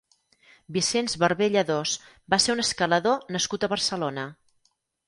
Vicenç Barbé Lladós va ser un escalador nascut a Barcelona.